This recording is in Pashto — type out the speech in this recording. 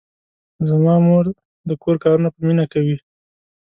زما مور د کور کارونه په مینه کوي.